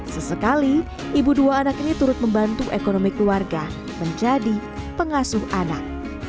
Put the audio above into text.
sesekali ibu dua anak ini turut membantu ekonomi keluarga menjadi pengasuh anak